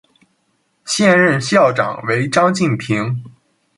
现任校长为张晋平。